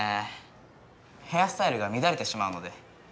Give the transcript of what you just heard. ヘアスタイルが乱れてしまうので。